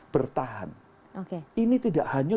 bertahan ini tidak hanya